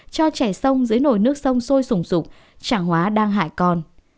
cho trẻ sông dưới nồi nước sông sôi sùng sụp chẳng hóa đang hại con